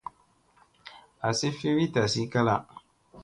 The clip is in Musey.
Asi fi wi tasi kala.